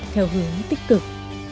theo hướng tích cực